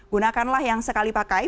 gunakanlah yang sekali pakai